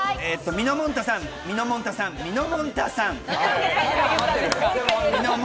みのもんたさん、みのもんたさん、みのもんたさん。